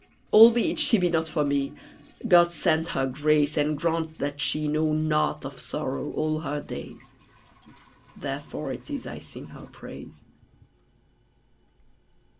_ Albeit she be not for me, GOD send her grace and grant that she Know nought of sorrow all her days: _Therefore it is I sing her praise.